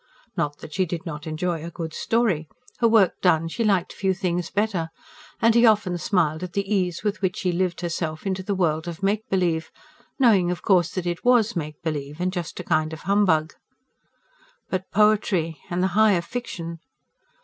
Not that she did not enjoy a good story: her work done, she liked few things better; and he often smiled at the ease with which she lived herself into the world of make believe, knowing, of course, that it WAS make believe and just a kind of humbug. But poetry, and the higher fiction!